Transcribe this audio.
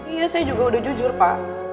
iya saya juga udah jujur pak